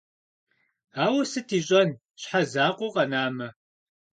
Ауэ сыт ищӀэн щхьэ закъуэу къэнамэ?